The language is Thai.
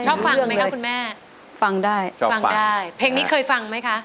ชอบฟังได้เพลงนี้เคยฟังไหมคะ